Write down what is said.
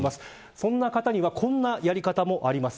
そんな方にはこんなやり方もあります。